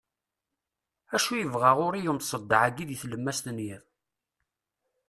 acu yebɣa ɣur-i umseḍḍeɛ-agi deg tlemmast n yiḍ